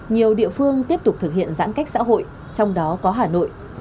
nhiều địa phương tiếp tục thực hiện giãn cách xã hội trong đó có hà nội